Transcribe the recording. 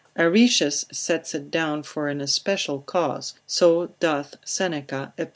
Areteus sets it down for an especial cause (so doth Seneca, ep.